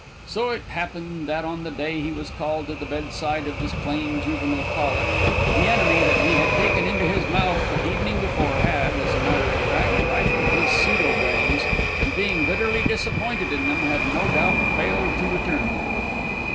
So it happened that on the day he was called to the bedside of this plain, juvenile colic, the enemy he had taken into his mouth the evening before had, as a matter of fact, rifled his pseudo brains, and being bitterly disappointed in them, had no doubt failed to return them.